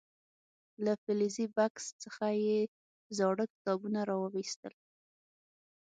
له فلزي بکس څخه یې زاړه کتابونه راو ویستل.